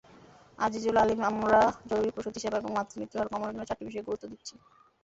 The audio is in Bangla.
আজিজুল আলিমআমরা জরুরি প্রসূতিসেবা এবং মাতৃমৃত্যুর হার কমানোর জন্য চারটি বিষয়ে গুরুত্ব দিচ্ছি।